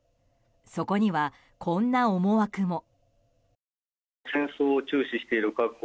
そこには、こんな思惑も。